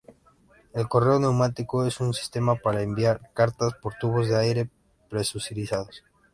El correo neumático es un sistema para enviar cartas por tubos de aire presurizado.